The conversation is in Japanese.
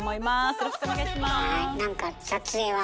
よろしくお願いします。